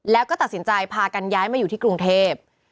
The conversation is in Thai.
แล้วก็ตัดสินใจพากันย้ายมาอยู่ที่กรุงเทพ